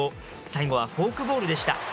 最後はフォークボールでした。